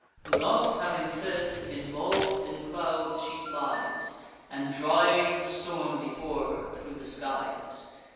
Thus having said, involv'd in clouds, she flies, And drives a storm before her thro' the skies.